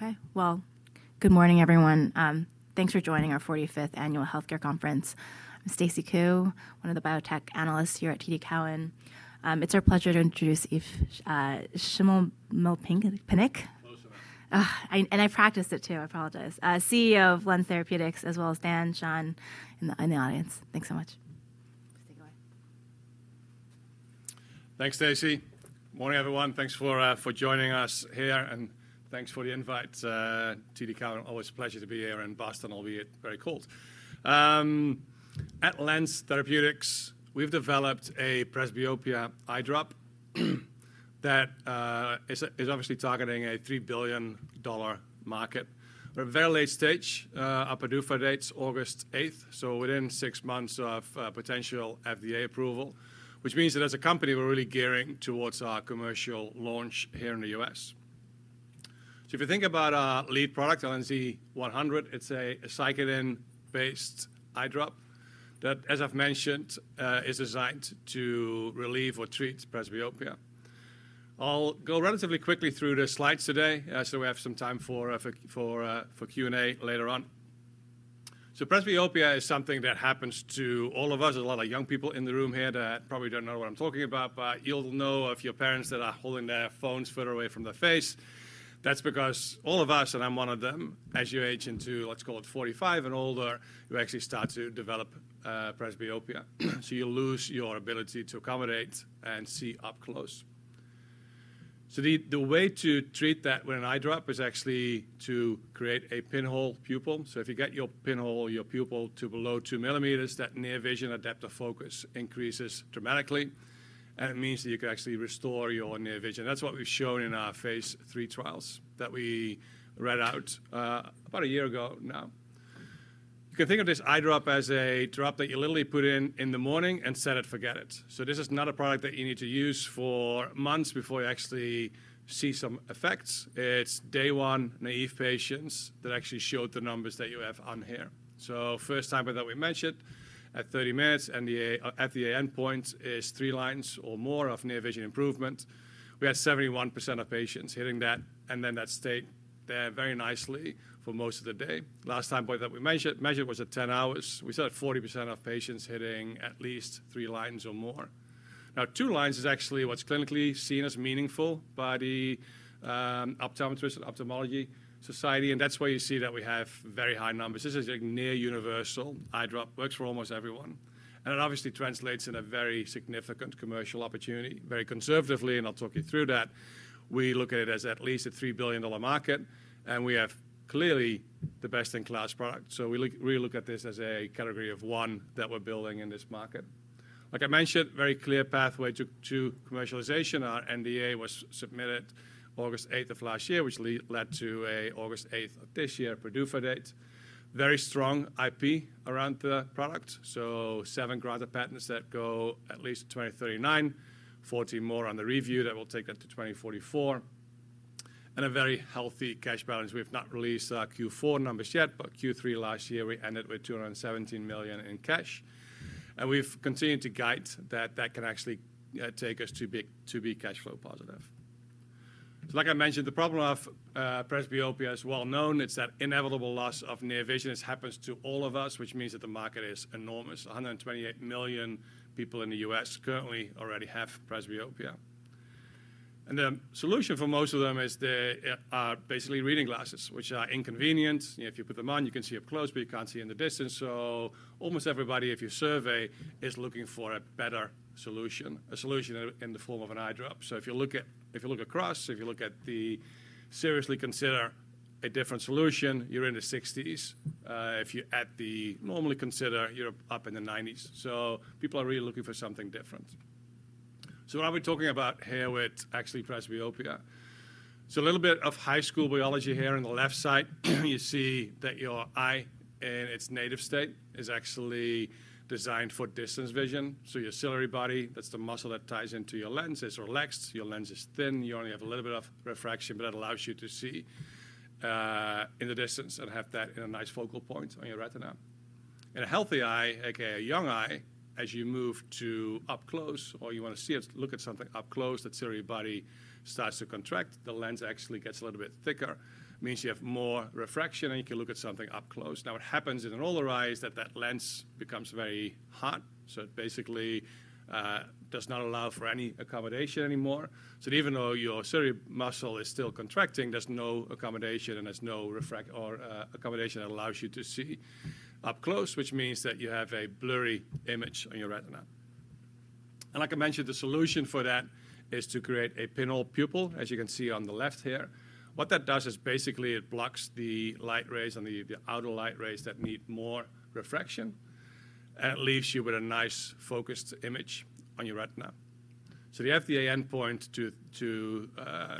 Okay, good morning, everyone. Thanks for joining our 45th Annual Healthcare Conference. I'm Stacy Ku, one of the biotech analysts here at TD Cowen. It's our pleasure to introduce Eef Schimmelpennink. Hello, I practiced it too, I apologize. CEO of LENZ Therapeutics, as well as Dan, Shawn, and the audience. Thanks so much. Thanks, Stacy. Morning, everyone. Thanks for joining us here, and thanks for the invite. TD Cowen, always a pleasure to be here in Boston, albeit very cold. At LENZ Therapeutics, we've developed a presbyopia eye drop that is obviously targeting a $3 billion market. We're at a very late stage. Our PDUFA date's August 8, so within six months of potential FDA approval, which means that as a company, we're really gearing towards our commercial launch here in the US. If you think about our lead product, LENZ 100, it's an aceclidine-based eye drop that, as I've mentioned, is designed to relieve or treat presbyopia. I'll go relatively quickly through the slides today so we have some time for Q&A later on. Presbyopia is something that happens to all of us. There's a lot of young people in the room here that probably don't know what I'm talking about, but you'll know of your parents that are holding their phones further away from their face. That's because all of us, and I'm one of them, as you age into, let's call it 45 and older, you actually start to develop presbyopia. You lose your ability to accommodate and see up close. The way to treat that with an eye drop is actually to create a pinhole pupil. If you get your pupil to below 2 mm, that near vision adaptive focus increases dramatically. It means that you can actually restore your near vision. That's what we've shown in our phase three trials that we read out about a year ago now. You can think of this eye drop as a drop that you literally put in in the morning and set it, forget it. This is not a product that you need to use for months before you actually see some effects. It's day one naive patients that actually showed the numbers that you have on here. First time that we mentioned at 30 minutes, and at the end point is three lines or more of near vision improvement. We had 71% of patients hitting that, and that stayed there very nicely for most of the day. Last time point that we measured was at 10 hours. We saw 40% of patients hitting at least three lines or more. Now, two lines is actually what's clinically seen as meaningful by the Optometrists and Ophthalmology Society, and that's where you see that we have very high numbers. This is a near universal eye drop, works for almost everyone. It obviously translates in a very significant commercial opportunity. Very conservatively, and I'll talk you through that, we look at it as at least a $3 billion market, and we have clearly the best in class product. We really look at this as a category of one that we're building in this market. Like I mentioned, very clear pathway to commercialization. Our NDA was submitted August 8 of last year, which led to an August 8 of this year PDUFA date. Very strong IP around the product. Seven granted patents that go at least 2039, 40 more on the review that will take that to 2044. A very healthy cash balance. We've not released our Q4 numbers yet, but Q3 last year, we ended with $217 million in cash. We've continued to guide that that can actually take us to be cash flow positive. Like I mentioned, the problem of presbyopia is well known. It's that inevitable loss of near vision. This happens to all of us, which means that the market is enormous. 128 million people in the U.S. currently already have presbyopia. The solution for most of them is basically reading glasses, which are inconvenient. If you put them on, you can see up close, but you can't see in the distance. Almost everybody, if you survey, is looking for a better solution, a solution in the form of an eye drop. If you look across, if you look at the seriously consider a different solution, you're in the 60s. If you add the normally consider, you're up in the 90s. People are really looking for something different. What are we talking about here with actually presbyopia? A little bit of high school biology here on the left side. You see that your eye in its native state is actually designed for distance vision. Your ciliary body, that's the muscle that ties into your lenses or LENZs. Your lens is thin. You only have a little bit of refraction, but it allows you to see in the distance and have that in a nice focal point on your retina. In a healthy eye, a young eye, as you move to up close, or you want to see it, look at something up close, the ciliary body starts to contract. The lens actually gets a little bit thicker. It means you have more refraction and you can look at something up close. Now, what happens in an older eye is that that lens becomes very hot. It basically does not allow for any accommodation anymore. Even though your ciliary muscle is still contracting, there is no accommodation and there is no accommodation that allows you to see up close, which means that you have a blurry image on your retina. Like I mentioned, the solution for that is to create a pinhole pupil, as you can see on the left here. What that does is it blocks the light rays and the outer light rays that need more refraction. It leaves you with a nice focused image on your retina. The FDA endpoint to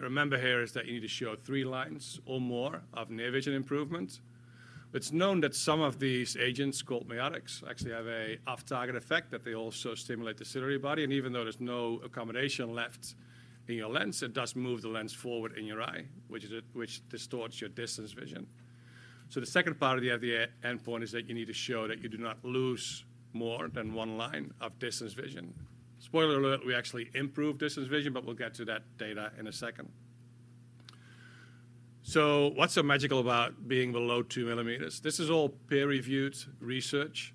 remember here is that you need to show three lines or more of near vision improvement. It is known that some of these agents called Miotics actually have an off-target effect that they also stimulate the ciliary body. Even though there's no accommodation left in your lens, it does move the lens forward in your eye, which distorts your distance vision. The second part of the FDA endpoint is that you need to show that you do not lose more than one line of distance vision. Spoiler alert, we actually improved distance vision, but we'll get to that data in a second. What's so magical about being below two millimeters? This is all peer-reviewed research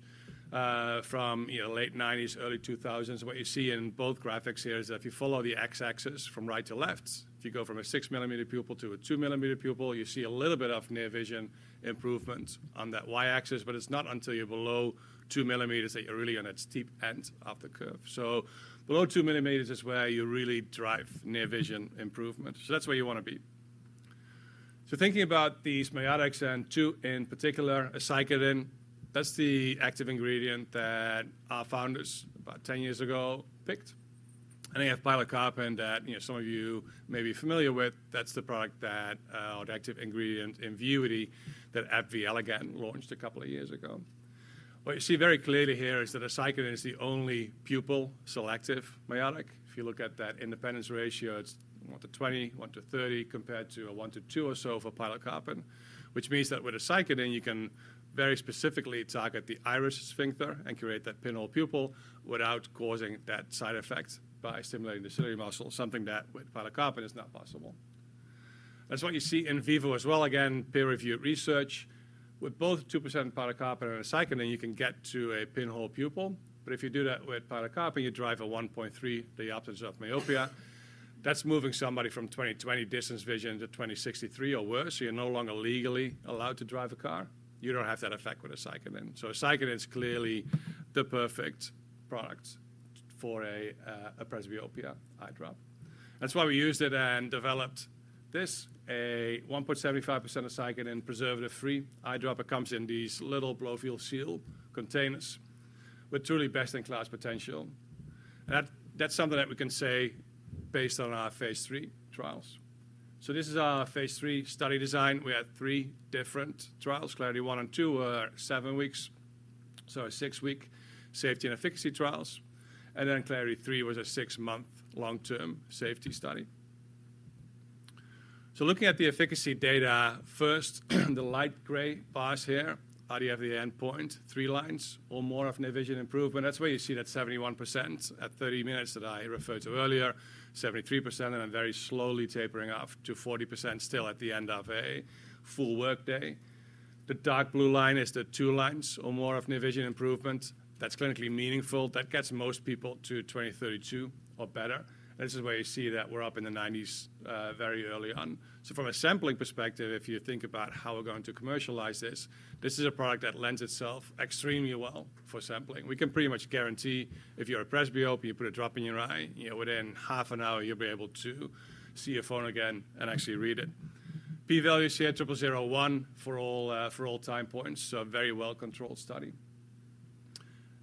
from the late 1990s, early 2000s. What you see in both graphics here is that if you follow the X-axis from right to left, if you go from a six millimeter pupil to a two millimeter pupil, you see a little bit of near vision improvement on that Y-axis, but it's not until you're below two millimeters that you're really on that steep end of the curve. Below two millimeters is where you really drive near vision improvement. That is where you want to be. Thinking about these miotics and two in particular, aceclidine, that is the active ingredient that our founders about 10 years ago picked. They have pilocarpine that some of you may be familiar with. That is the product that, or the active ingredient in Vuity, that AbbVie launched a couple of years ago. What you see very clearly here is that aceclidine is the only pupil-selective miotic. If you look at that independence ratio, it is one to 20, one to 30, compared to a one to two or so for pilocarpine, which means that with aceclidine, you can very specifically target the iris sphincter and create that pinhole pupil without causing that side effect by stimulating the ciliary muscle, something that with pilocarpine is not possible. That's what you see in vivo as well. Again, peer-reviewed research. With both 2% pilocarpine and aceclidine, you can get to a pinhole pupil. If you do that with pilocarpine, you drive a 1.3, the opposite of myopia. That's moving somebody from 20/20 distance vision to 20/63 or worse. You are no longer legally allowed to drive a car. You do not have that effect with aceclidine. Aceclidine is clearly the perfect product for a presbyopia eye drop. That's why we used it and developed this, a 1.75% aceclidine preservative-free eye drop. It comes in these little blow-fill seal containers with truly best in class potential. That is something that we can say based on our phase three trials. This is our phase three study design. We had three different trials. Clarity one and two were seven weeks, a six-week safety and efficacy trials. Clarity three was a six-month long-term safety study. Looking at the efficacy data first, the light gray bars here, RDF the endpoint, three lines or more of near vision improvement. That is where you see that 71% at 30 minutes that I referred to earlier, 73%, and then very slowly tapering off to 40% still at the end of a full workday. The dark blue line is the two lines or more of near vision improvement. That is clinically meaningful. That gets most people to 20/32 or better. This is where you see that we are up in the 90s very early on. From a sampling perspective, if you think about how we are going to commercialize this, this is a product that lends itself extremely well for sampling. We can pretty much guarantee if you're a presbyope, you put a drop in your eye, within half an hour, you'll be able to see your phone again and actually read it. P-values here, 0.0001 for all time points, so a very well-controlled study.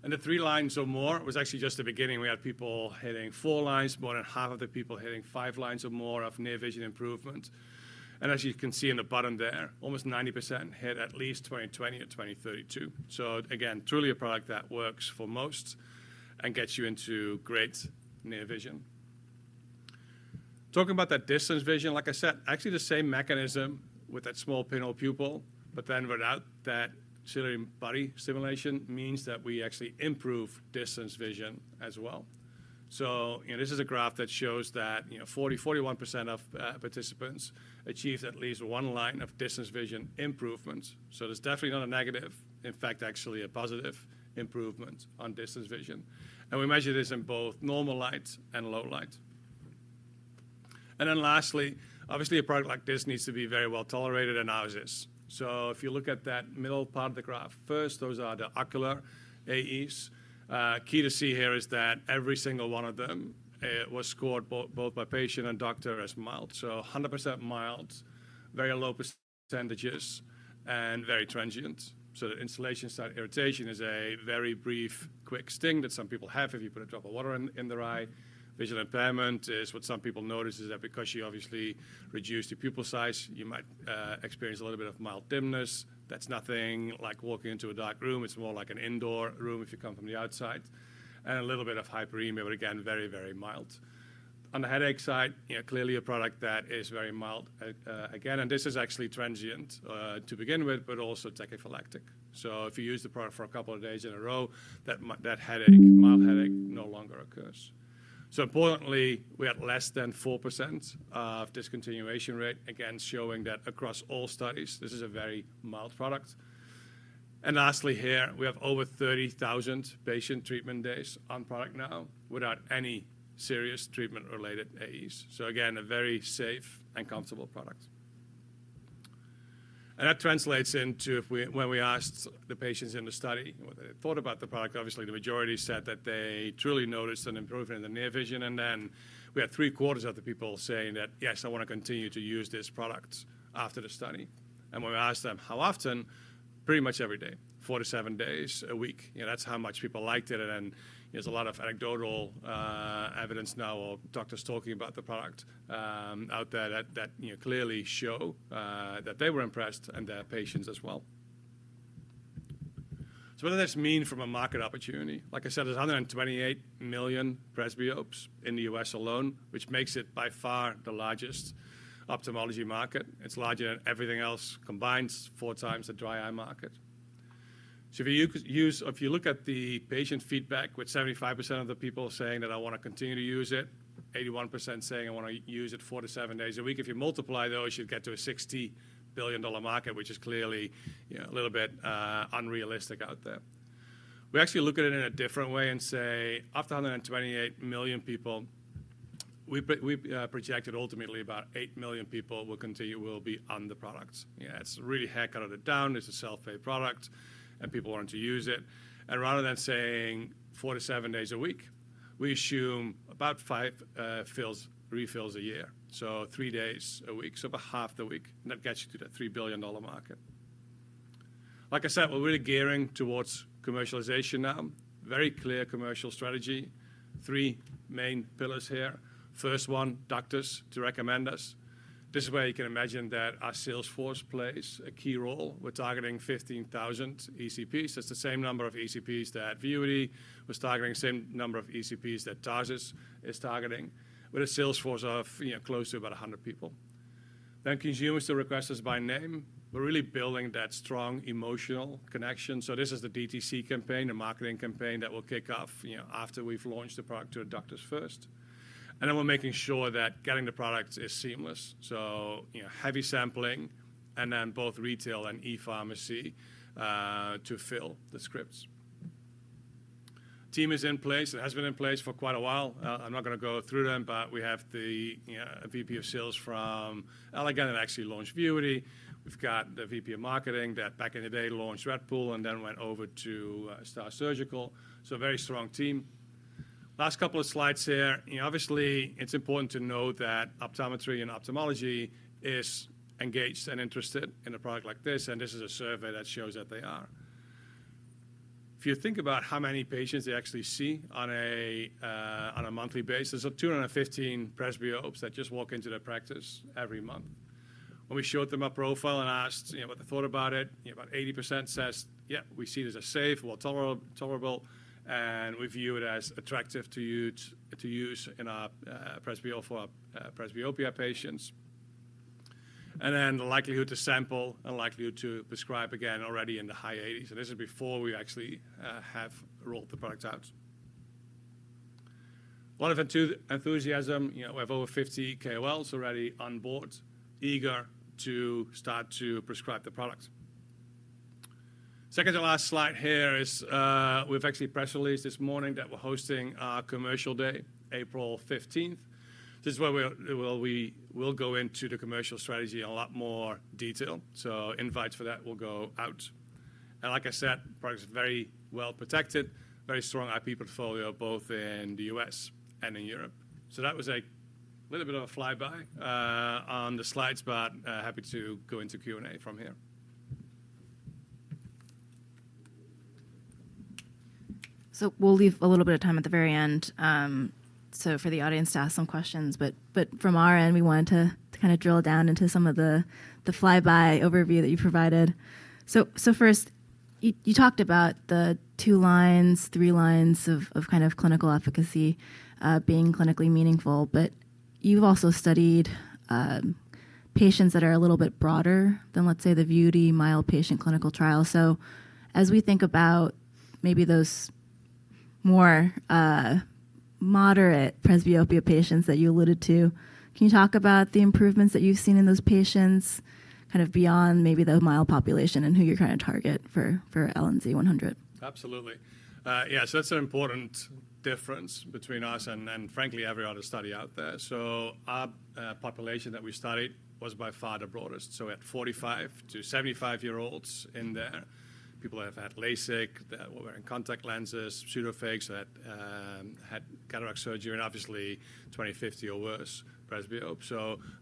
The three lines or more was actually just the beginning. We had people hitting four lines, more than half of the people hitting five lines or more of near vision improvement. As you can see in the bottom there, almost 90% hit at least 20/20 or 20/32. Truly a product that works for most and gets you into great near vision. Talking about that distance vision, like I said, actually the same mechanism with that small pinhole pupil, but then without that ciliary body stimulation means that we actually improve distance vision as well. This is a graph that shows that 40, 41% of participants achieved at least one line of distance vision improvement. There is definitely not a negative, in fact, actually a positive improvement on distance vision. We measured this in both normal light and low light. Lastly, obviously, a product like this needs to be very well tolerated analysis. If you look at that middle part of the graph first, those are the ocular AEs. Key to see here is that every single one of them was scored both by patient and doctor as mild. So 100% mild, very low percentages, and very transient. The installation site irritation is a very brief, quick sting that some people have if you put a drop of water in the eye. Visual impairment is what some people notice is that because you obviously reduce the pupil size, you might experience a little bit of mild dimness. That's nothing like walking into a dark room. It's more like an indoor room if you come from the outside. And a little bit of hyperemia, but again, very, very mild. On the headache side, clearly a product that is very mild again. This is actually transient to begin with, but also Vuity. If you use the product for a couple of days in a row, that headache, mild headache no longer occurs. Importantly, we had less than 4% of discontinuation rate, again showing that across all studies, this is a very mild product. Lastly here, we have over 30,000 patient treatment days on product now without any serious treatment-related AEs. Again, a very safe and comfortable product. That translates into when we asked the patients in the study what they thought about the product, obviously the majority said that they truly noticed an improvement in the near vision. We had three quarters of the people saying that, yes, I want to continue to use this product after the study. When we asked them how often, pretty much every day, four to seven days a week, that's how much people liked it. There is a lot of anecdotal evidence now or doctors talking about the product out there that clearly show that they were impressed and their patients as well. What does this mean from a market opportunity? Like I said, there are 128 million presbyopes in the U.S. alone, which makes it by far the largest ophthalmology market. It is larger than everything else combined, four times the dry eye market. If you look at the patient feedback with 75% of the people saying that I want to continue to use it, 81% saying I want to use it four to seven days a week, if you multiply those, you'd get to a $60 billion market, which is clearly a little bit unrealistic out there. We actually look at it in a different way and say, of the 128 million people, we projected ultimately about 8 million people will be on the product. That's really haircut it down. It's a self-pay product and people want to use it. Rather than saying four to seven days a week, we assume about five refills a year. Three days a week, so about half the week. That gets you to the $3 billion market. Like I said, we're really gearing towards commercialization now. Very clear commercial strategy. Three main pillars here. First one, doctors to recommend us. This is where you can imagine that our sales force plays a key role. We're targeting 15,000 ECPs. That's the same number of ECPs that Vuity was targeting, same number of ECPs that Tarsus is targeting, with a sales force of close to about 100 people. Consumers to request us by name. We're really building that strong emotional connection. This is the DTC campaign, the marketing campaign that will kick off after we've launched the product to doctors first. We are making sure that getting the products is seamless. Heavy sampling and then both retail and e-pharmacy to fill the scripts. Team is in place. It has been in place for quite a while. I'm not going to go through them, but we have the VP of Sales from Elegant that actually launched Vuity. We've got the VP of Marketing that back in the day launched Red Bull and then went over to STAAR Surgical. So very strong team. Last couple of slides here. Obviously, it's important to note that optometry and ophthalmology is engaged and interested in a product like this. And this is a survey that shows that they are. If you think about how many patients they actually see on a monthly basis, there's 215 presbyopes that just walk into their practice every month. When we showed them a profile and asked what they thought about it, about 80% says, "Yeah, we see it as a safe, well tolerable, and we view it as attractive to use in our presbyopia patients." And then the likelihood to sample and likelihood to prescribe again already in the high 80s. And this is before we actually have rolled the product out. A lot of enthusiasm. We have over 50 KOLs already on board, eager to start to prescribe the product. Second to last slide here is we've actually press released this morning that we're hosting our commercial day, April 15th. This is where we will go into the commercial strategy in a lot more detail. Invites for that will go out. Like I said, the product is very well protected, very strong IP portfolio both in the U.S. and in Europe. That was a little bit of a fly-by on the slides, but happy to go into Q&A from here. We'll leave a little bit of time at the very end for the audience to ask some questions. From our end, we wanted to kind of drill down into some of the fly-by overview that you provided. First, you talked about the two lines, three lines of kind of clinical efficacy being clinically meaningful. You've also studied patients that are a little bit broader than, let's say, the Vuity mild patient clinical trial. As we think about maybe those more moderate presbyopia patients that you alluded to, can you talk about the improvements that you've seen in those patients kind of beyond maybe the mild population and who you're trying to target for LENZ 100? Absolutely. Yeah, so that's an important difference between us and, frankly, every other study out there. Our population that we studied was by far the broadest. We had 45 to 75-year-olds in there. People have had LASIK, that were wearing contact lenses, pseudophakes, that had cataract surgery, and obviously 20/50 or worse presbyope.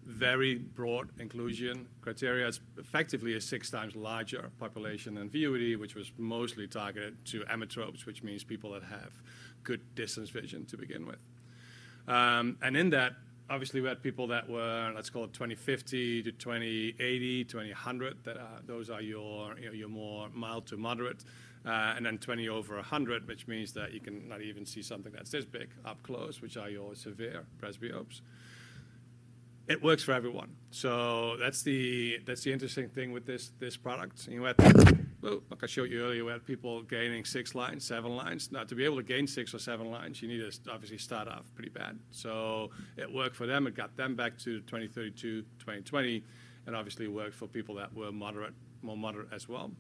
Very broad inclusion criteria. It's effectively a six times larger population than Vuity, which was mostly targeted to emmetropes, which means people that have good distance vision to begin with. In that, obviously, we had people that were, let's call it 20/50 to 20/80, 20/100. Those are your more mild to moderate. Then 20 over 100, which means that you cannot even see something that's this big up close, which are your severe presbyopes. It works for everyone. That's the interesting thing with this product. Like I showed you earlier, we had people gaining six lines, seven lines. Now, to be able to gain six or seven lines, you need to obviously start off pretty bad. It worked for them. It got them back to 20/32, 20/20. It worked for people that were more moderate as well.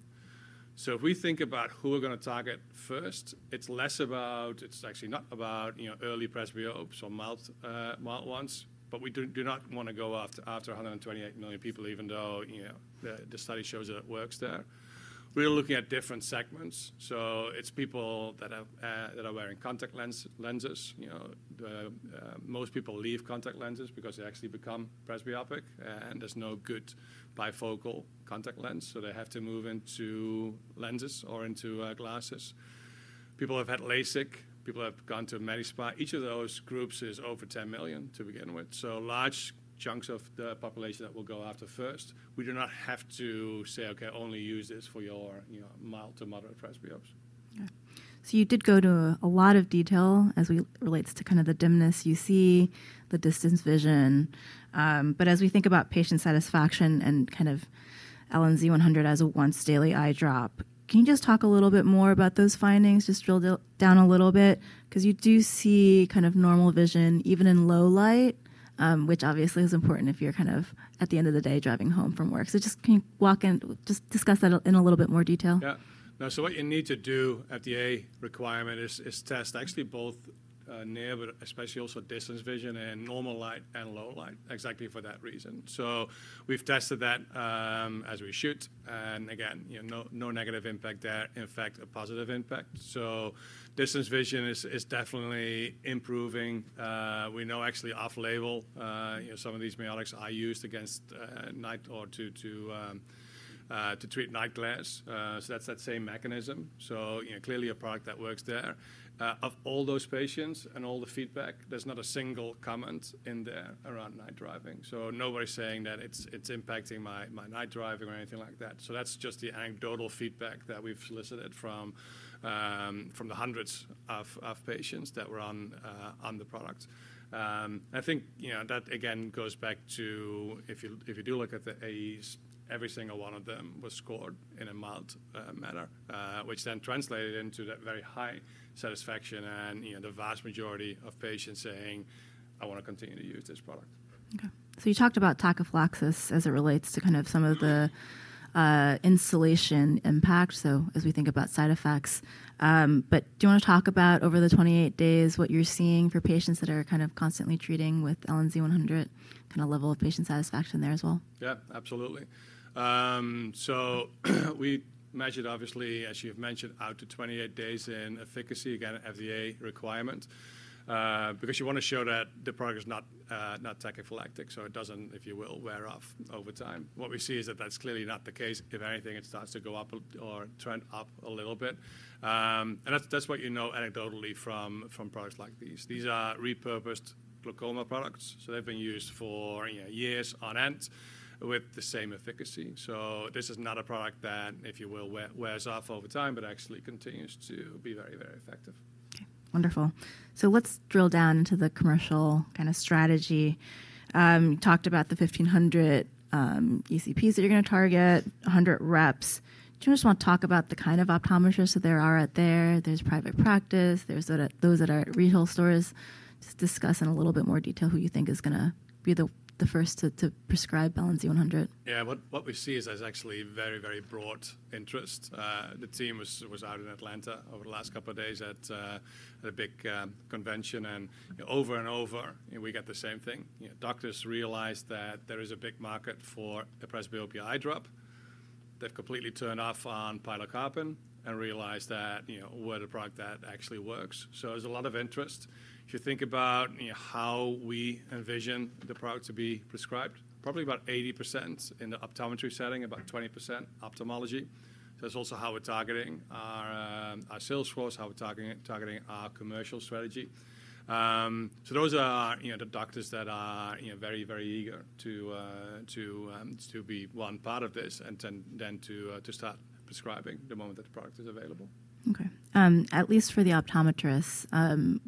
If we think about who we're going to target first, it's less about, it's actually not about early presbyopes or mild ones, but we do not want to go after 128 million people, even though the study shows that it works there. We're looking at different segments. It's people that are wearing contact lenses. Most people leave contact lenses because they actually become presbyopic. There's no good bifocal contact lens. They have to move into lenses or into glasses. People have had LASIK. People have gone to many spots. Each of those groups is over 10 million to begin with. Large chunks of the population that we'll go after first. We do not have to say, "Okay, only use this for your mild to moderate presbyopes. Yeah. You did go to a lot of detail as it relates to kind of the dimness you see, the distance vision. As we think about patient satisfaction and kind of LNZ 100 as a once-daily eye drop, can you just talk a little bit more about those findings? Just drill down a little bit because you do see kind of normal vision even in low light, which obviously is important if you're kind of at the end of the day driving home from work. Can you walk in, just discuss that in a little bit more detail? Yeah. What you need to do at the A requirement is test actually both near, but especially also distance vision in normal light and low light exactly for that reason. We have tested that as we should. Again, no negative impact there, in fact, a positive impact. Distance vision is definitely improving. We know actually off-label, some of these miotics are used against night or to treat night glares. That is that same mechanism. Clearly a product that works there. Of all those patients and all the feedback, there is not a single comment in there around night driving. Nobody is saying that it is impacting my night driving or anything like that. That is just the anecdotal feedback that we have solicited from the hundreds of patients that were on the product. I think that, again, goes back to if you do look at the AEs, every single one of them was scored in a mild manner, which then translated into that very high satisfaction and the vast majority of patients saying, "I want to continue to use this product. Okay. You talked about tachyphylaxis as it relates to kind of some of the insulation impact. As we think about side effects, do you want to talk about over the 28 days what you're seeing for patients that are kind of constantly treating with LNZ 100, kind of level of patient satisfaction there as well? Yeah, absolutely. We measured, obviously, as you've mentioned, out to 28 days in efficacy, again, FDA requirement, because you want to show that the product is not tachyphylactic. It doesn't, if you will, wear off over time. What we see is that that's clearly not the case. If anything, it starts to go up or trend up a little bit. That's what you know anecdotally from products like these. These are repurposed glaucoma products. They've been used for years on end with the same efficacy. This is not a product that, if you will, wears off over time, but actually continues to be very, very effective. Okay. Wonderful. Let's drill down into the commercial kind of strategy. You talked about the 1,500 ECPs that you're going to target, 100 reps. Do you just want to talk about the kind of optometrists that there are out there? There's private practice. There's those that are at retail stores. Just discuss in a little bit more detail who you think is going to be the first to prescribe LENZ 100. Yeah. What we see is actually very, very broad interest. The team was out in Atlanta over the last couple of days at a big convention. Over and over, we get the same thing. Doctors realized that there is a big market for a presbyopia eye drop. They've completely turned off on pilocarpine and realized that we're the product that actually works. There is a lot of interest. If you think about how we envision the product to be prescribed, probably about 80% in the optometry setting, about 20% ophthalmology. That is also how we're targeting our sales force, how we're targeting our commercial strategy. Those are the doctors that are very, very eager to be one part of this and then to start prescribing the moment that the product is available. Okay. At least for the optometrists,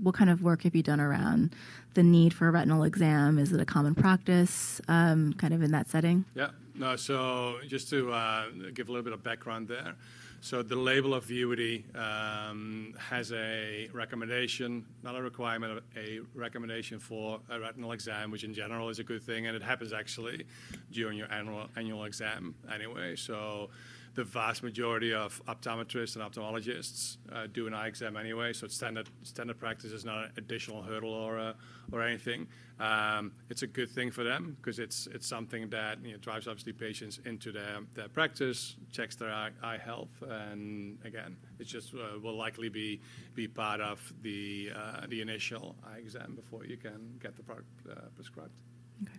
what kind of work have you done around the need for a retinal exam? Is it a common practice kind of in that setting? Yeah. Just to give a little bit of background there. The label of Vuity has a recommendation, not a requirement, a recommendation for a retinal exam, which in general is a good thing. It happens actually during your annual exam anyway. The vast majority of optometrists and ophthalmologists do an eye exam anyway. Standard practice is not an additional hurdle or anything. It's a good thing for them because it's something that drives, obviously, patients into their practice, checks their eye health. Again, it just will likely be part of the initial eye exam before you can get the product prescribed. Okay.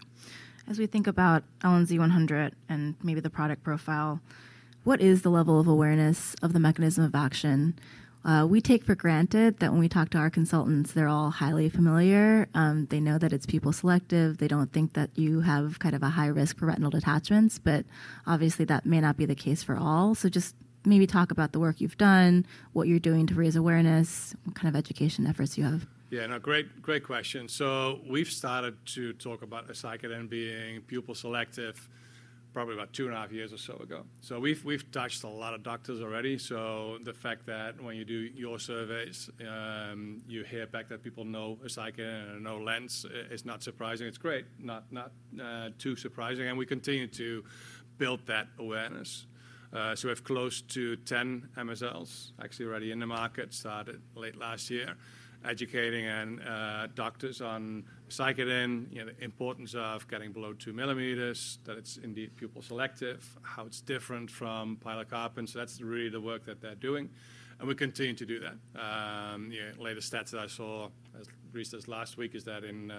As we think about LNZ 100 and maybe the product profile, what is the level of awareness of the mechanism of action? We take for granted that when we talk to our consultants, they're all highly familiar. They know that it's pupil selective. They don't think that you have kind of a high risk for retinal detachments. Obviously, that may not be the case for all. Just maybe talk about the work you've done, what you're doing to raise awareness, what kind of education efforts you have. Yeah. No, great question. We've started to talk about aceclidine being pupil selective probably about two and a half years or so ago. We've touched a lot of doctors already. The fact that when you do your surveys, you hear back that people know aceclidine and know LENZ is not surprising. It's great. Not too surprising. We continue to build that awareness. We have close to 10 MSLs actually already in the market, started late last year, educating doctors on aceclidine, the importance of getting below 2 millimeters, that it's indeed pupil selective, how it's different from pilocarpine. That's really the work that they're doing. We continue to do that. Latest stats that I saw, as recent as last week, is that in,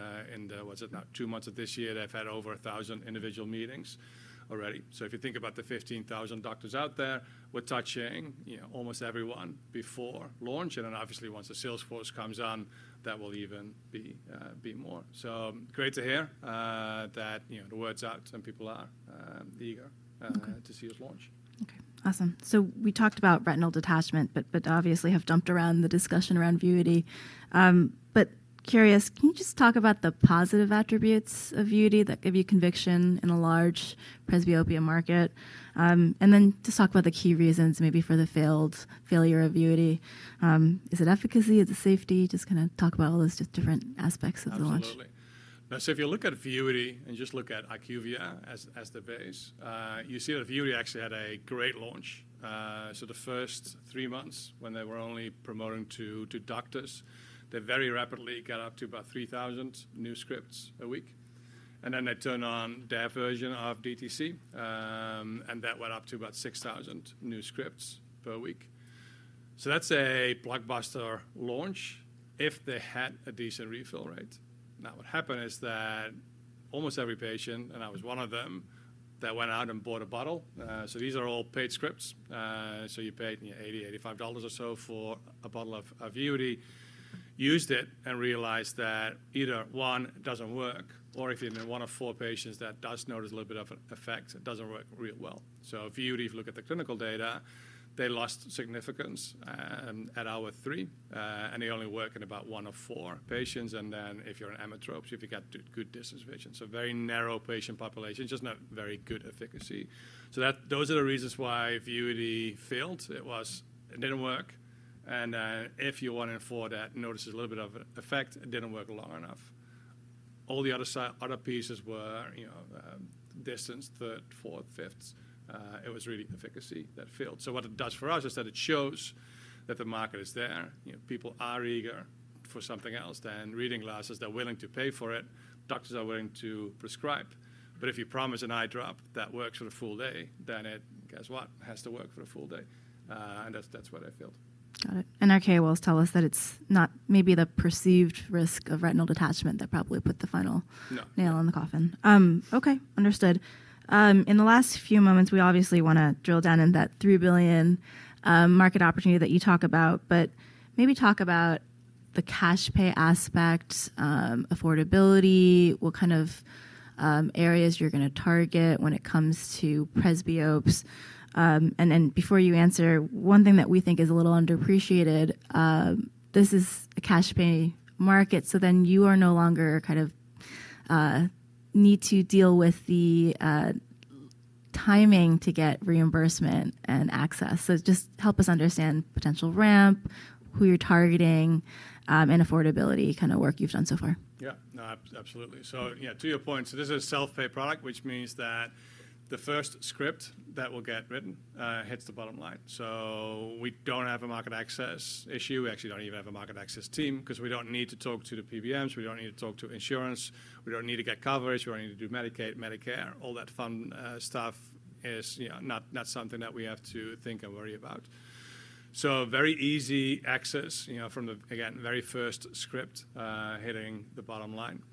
what's it now, two months of this year, they've had over 1,000 individual meetings already. If you think about the 15,000 doctors out there, we're touching almost everyone before launch. Obviously, once the sales force comes on, that will even be more. Great to hear that the word's out and people are eager to see us launch. Okay. Awesome. We talked about retinal detachment, but obviously have jumped around the discussion around Vuity. Curious, can you just talk about the positive attributes of Vuity that give you conviction in a large presbyopia market? Just talk about the key reasons maybe for the failure of Vuity. Is it efficacy? Is it safety? Just kind of talk about all those different aspects of the launch. Absolutely. If you look at Vuity and just look at IQVIA as the base, you see that Vuity actually had a great launch. The first three months when they were only promoting to doctors, they very rapidly got up to about 3,000 new scripts a week. They turned on their version of DTC. That went up to about 6,000 new scripts per week. That is a blockbuster launch if they had a decent refill rate. What happened is that almost every patient, and I was one of them, went out and bought a bottle. These are all paid scripts. You paid $80, $85 or so for a bottle of Vuity, used it, and realized that either one does not work, or if you are in one of four patients that does notice a little bit of an effect, it does not work real well. Vuity, if you look at the clinical data, they lost significance at hour three. They only work in about one of four patients. If you are an emmetrope, if you have good distance vision. Very narrow patient population, just not very good efficacy. Those are the reasons why Vuity failed. It did not work. If you want to enforce that, notice a little bit of effect, it did not work long enough. All the other pieces were distance, third, fourth, fifth. It was really efficacy that failed. What it does for us is that it shows that the market is there. People are eager for something else. Then reading glasses, they're willing to pay for it. Doctors are willing to prescribe. If you promise an eye drop that works for the full day, it, guess what, has to work for the full day. That's why they failed. Got it. RKA will tell us that it's not maybe the perceived risk of retinal detachment that probably put the final nail in the coffin. No. Okay. Understood. In the last few moments, we obviously want to drill down in that $3 billion market opportunity that you talk about. Maybe talk about the cash pay aspect, affordability, what kind of areas you're going to target when it comes to presbyopes. Before you answer, one thing that we think is a little underappreciated, this is a cash pay market. You are no longer kind of need to deal with the timing to get reimbursement and access. Just help us understand potential ramp, who you're targeting, and affordability kind of work you've done so far. Yeah. No, absolutely. Yeah, to your point, this is a self-pay product, which means that the first script that will get written hits the bottom line. We do not have a market access issue. We actually do not even have a market access team because we do not need to talk to the PBMs. We do not need to talk to insurance. We do not need to get coverage. We do not need to do Medicaid, Medicare. All that fun stuff is not something that we have to think and worry about. Very easy access from the, again, very first script hitting the bottom line.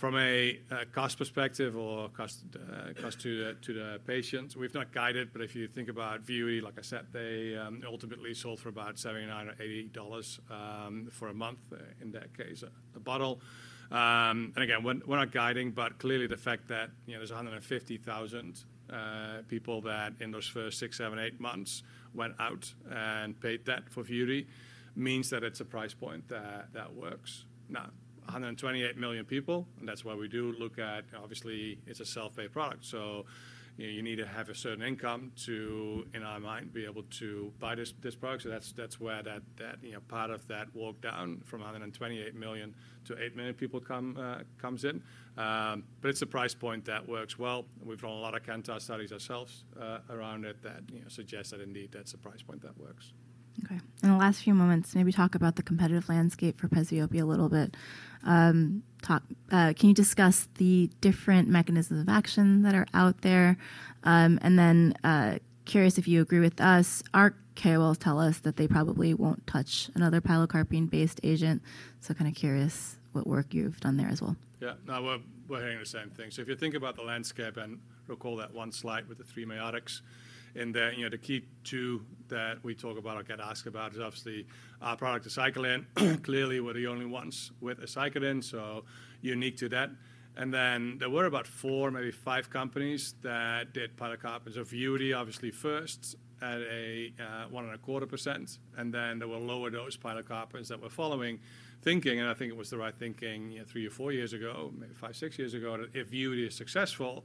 From a cost perspective or cost to the patients, we have not guided. If you think about Vuity, like I said, they ultimately sold for about $79 or $80 for a month in that case, a bottle. Again, we are not guiding. Clearly, the fact that there are 150,000 people that in those first six, seven, eight months went out and paid that for Vuity means that it's a price point that works. Now, 128 million people, and that's why we do look at, obviously, it's a self-pay product. You need to have a certain income to, in our mind, be able to buy this product. That's where that part of that walk down from 128 million to 8 million people comes in. It's a price point that works well. We've done a lot of CANTA studies ourselves around it that suggest that indeed that's a price point that works. Okay. In the last few moments, maybe talk about the competitive landscape for presbyopia a little bit. Can you discuss the different mechanisms of action that are out there? Curious if you agree with us, our KOLs tell us that they probably won't touch another pilocarpine-based agent. Kind of curious what work you've done there as well. Yeah. No, we're hearing the same thing. If you think about the landscape and recall that one slide with the three miotics in there, the key two that we talk about or get asked about is obviously our product, Aceclidine. Clearly, we're the only ones with Aceclidine, so unique to that. There were about four, maybe five companies that did pilocarpines. Vuity, obviously, first at a 1.25%. Then there were lower dose pilocarpines that were following thinking. I think it was the right thinking three or four years ago, maybe five, six years ago, that if Vuity is successful,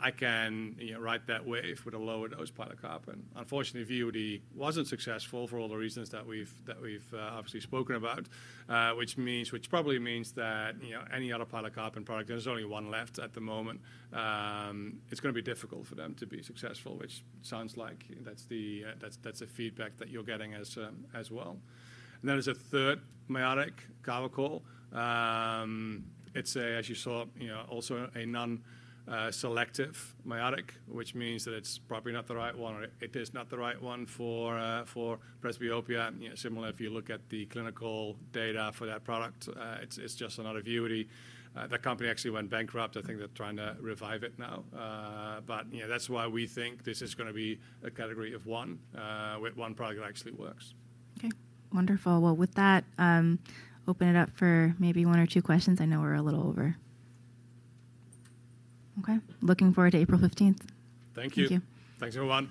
I can ride that wave with a lower dose pilocarpine. Unfortunately, Vuity wasn't successful for all the reasons that we've obviously spoken about, which probably means that any other pilocarpine product, there's only one left at the moment. It's going to be difficult for them to be successful, which sounds like that's the feedback that you're getting as well. There is a third miotic, Carvacol. It's a, as you saw, also a non-selective miotic, which means that it's probably not the right one, or it is not the right one for presbyopia. Similar, if you look at the clinical data for that product, it's just another Vuity. The company actually went bankrupt. I think they're trying to revive it now. That's why we think this is going to be a category of one where one product actually works. Okay. Wonderful. With that, open it up for maybe one or two questions. I know we're a little over. Okay. Looking forward to April 15th. Thank you. Thank you. Thanks everyone.